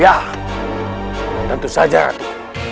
ya tentu saja ratu